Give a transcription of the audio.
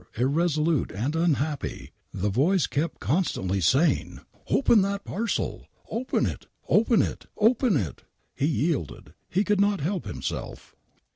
irresolute and unhappy the voice kept con stantly saying: " Open that parcel "!!" Open it, open it, open it "! I He yielded, he could not help himself.